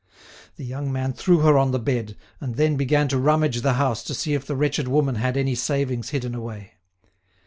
The young man threw her on her bed, and then began to rummage the house to see if the wretched woman had any savings hidden away.